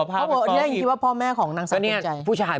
พอมึงคิดว่าพ่อแม่ของนางสำเองใจ